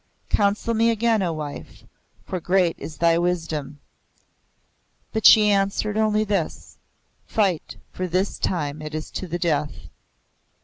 Counsel me again, O wife, for great is thy wisdom!" But she answered only this, "Fight, for this time it is to the death."